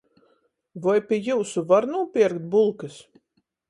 -Voi pi jiusu var nūpierkt bulkys?